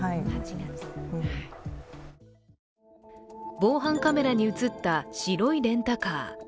防犯カメラに映った白いレンタカー。